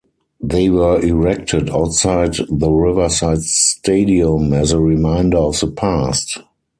They were erected outside the Riverside Stadium as a reminder of the past.